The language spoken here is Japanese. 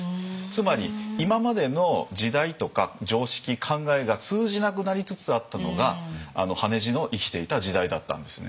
つまり今までの時代とか常識考えが通じなくなりつつあったのが羽地の生きていた時代だったんですね。